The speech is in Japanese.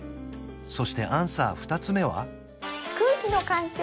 そしてアンサー２つ目は？